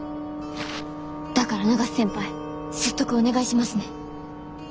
だから永瀬先輩説得お願いしますね。